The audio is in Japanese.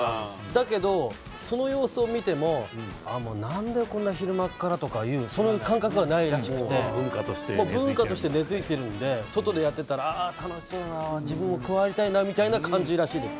だけど、その様子を見てもなんでこんな昼間っからとかそういう感覚がないらしくて文化として根づいているので外でやっていたら楽しそうだな自分も加わりたいなという感じらしいです。